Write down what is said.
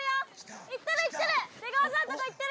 いってるいってる！